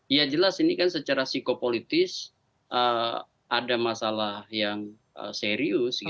iya jelas ini kan secara psikopolitis ada masalah yang serius gitu ya